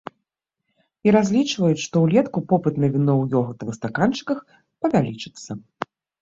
І разлічваюць, што ўлетку попыт на віно ў ёгуртавых стаканчыках павялічыцца.